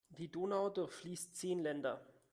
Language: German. Die Donau durchfließt zehn Länder.